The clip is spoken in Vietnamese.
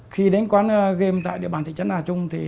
khi đến quán game tại địa bàn thị trấn hà trung